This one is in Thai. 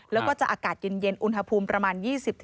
แล้วก็จะอากาศเย็นอุณหภูมิประมาณ๒๐